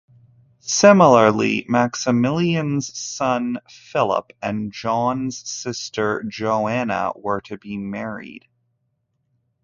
Similarly, Maximilian's son Philip and John's sister Joanna were to be married.